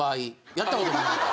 やったこともないから。